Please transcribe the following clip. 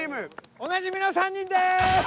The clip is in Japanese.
おなじみの３人です！